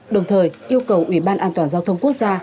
đồng thời yêu cầu ủy ban an toàn giao thông quốc gia